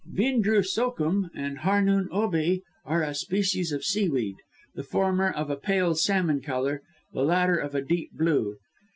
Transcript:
Vindroo Sookum and Harnoon Oobey are a species of seaweed; the former of a pale salmon colour, the latter of a deep blue.